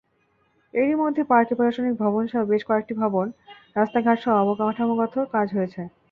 এরই মধ্যে পার্কের প্রশাসনিক ভবনসহ বেশ কয়েকটি ভবন, রাস্তাঘাটসহ অবকাঠামোগত কাজ হয়েছে।